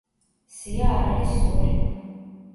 სია არ არის სრული.